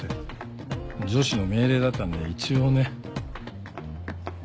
上司の命令だったんで一応ね。